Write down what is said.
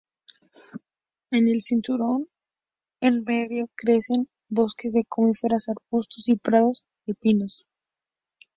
En el cinturón medio crecen bosques de coníferas, arbustos y prados alpinos.